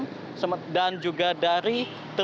dan juga dari terusan jalan jakarta